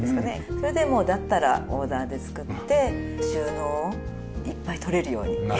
それでもうだったらオーダーで作って収納をいっぱい取れるようにっていう形で作りました。